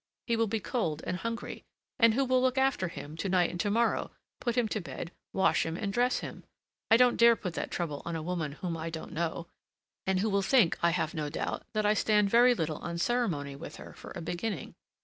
he will be cold and hungry and who will look after him to night and to morrow, put him to bed, wash him and dress him? I don't dare put that trouble on a woman whom I don't know, and who will think, I have no doubt, that I stand very little on ceremony with her for a beginning."